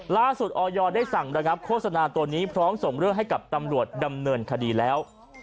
ออยได้สั่งระงับโฆษณาตัวนี้พร้อมส่งเรื่องให้กับตำรวจดำเนินคดีแล้ว